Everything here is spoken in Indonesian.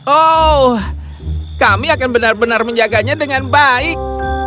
oh kami akan benar benar menjaganya dengan baik